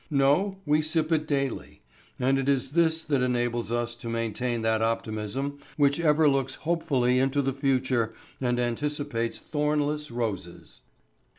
No, we sip it daily, and it is this that enables us to maintain that optimism which ever looks hopefully into the future and anticipates thornless roses.